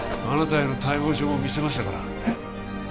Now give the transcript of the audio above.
あなたへの逮捕状も見せましたからえっ？